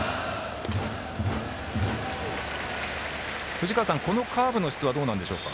藤川さん、このカーブの質はどうなんでしょうか？